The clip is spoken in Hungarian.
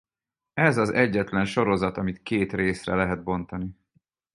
Ez az egyetlen sorozat amit két részre lehet bontani.